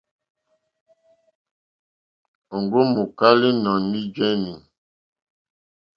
Òŋɡó mòkálá ínɔ̀ní jéní.